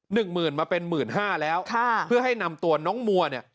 หนึ่งหมื่นมาเป็นหมื่นห้าแล้วค่ะเพื่อให้นำตัวน้องมัวเนี่ย